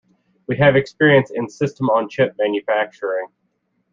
We have experience in system-on-chip manufacturing.